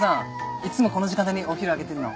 いつもこの時間帯にお昼あげてるの？